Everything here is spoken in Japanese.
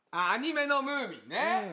アニメの『ムーミン』ね。